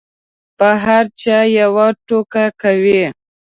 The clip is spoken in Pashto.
په هر چا یوه ټوکه کوي.